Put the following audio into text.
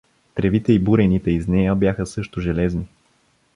Тревите и бурените из нея бяха също железни.